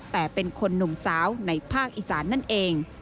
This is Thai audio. แต่เป็นคนหนุ่มสาวในภาคอีสานนั่นเอง